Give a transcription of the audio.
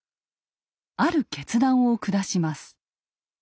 ある決断を下します。